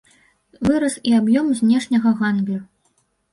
Вырас і аб'ём знешняга гандлю.